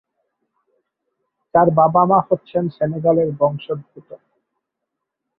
তার বাবা-মা হচ্ছেন সেনেগালের বংশোদ্ভূত।